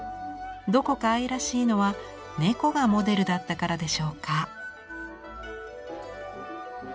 どこか愛らしいのは猫がモデルだったからでしょうか。